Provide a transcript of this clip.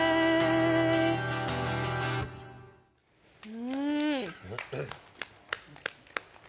うん。